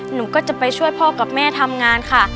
หนูก็จะไปช่วยพ่อกับแม่ทำงานค่ะ